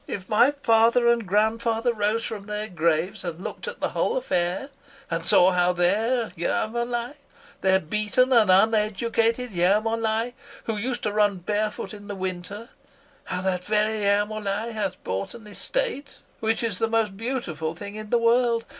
If my father and grandfather rose from their graves and looked at the whole affair, and saw how their Ermolai, their beaten and uneducated Ermolai, who used to run barefoot in the winter, how that very Ermolai has bought an estate, which is the most beautiful thing in the world!